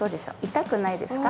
痛くないですか？